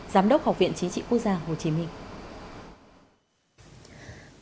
giám đốc học viện chính trị quốc gia hồ chí minh